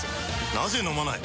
なぜ飲まない？